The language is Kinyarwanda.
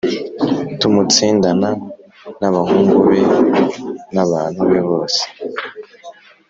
tumutsindana+ n’abahungu be n’abantu be bose